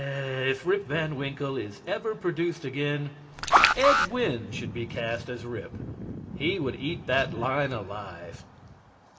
If "Rip Van Winkle" is ever produced again, Ed Wynn should be cast as Rip. He would eat that line alive.